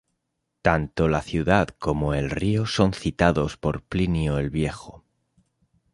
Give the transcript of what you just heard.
Tanto la ciudad como el río son citados por Plinio el Viejo.